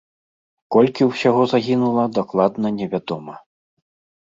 Колькі ўсяго загінула дакладна невядома.